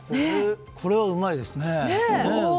これはうまいですね。